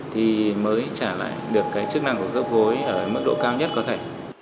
thì mới trả lại được cái chức năng của khớp gối ở mức độ cao nhất có thể